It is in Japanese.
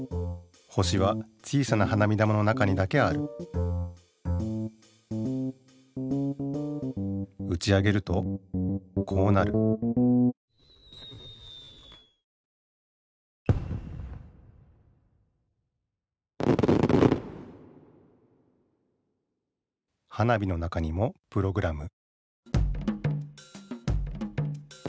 星は小さな花火玉の中にだけあるうち上げるとこうなる花火の中にもプログラム